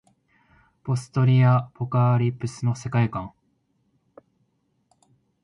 ポストアポカリプスの世界観